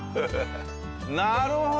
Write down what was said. なるほど！